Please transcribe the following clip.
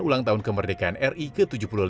ulang tahun kemerdekaan ri ke tujuh puluh lima